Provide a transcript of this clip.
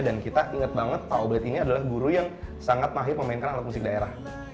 dan kita ingat banget pak oblet ini adalah guru yang sangat mahir memainkan alat musik daerah